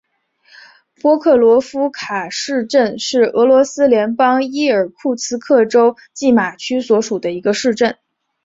波克罗夫卡市镇是俄罗斯联邦伊尔库茨克州济马区所属的一个市镇。